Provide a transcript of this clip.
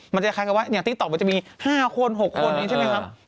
มันจะคล้ายกับว่าอย่างติ๊กต๊มันจะมี๕คน๖คนนี้ใช่ไหมครับ